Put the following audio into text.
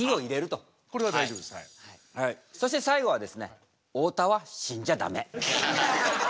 そして最後はですね太田は死んじゃダメ。